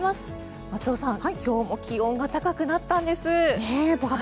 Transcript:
今日も気温が高くなったんです。